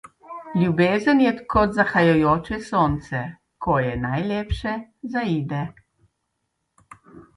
Ljubezen je kot zahajajoče sonce; ko je najlepše, zaide.